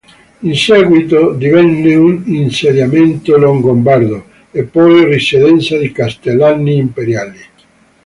In seguito divenne un insediamento longobardo, e poi residenza di castellani imperiali.